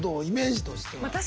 イメージとしては。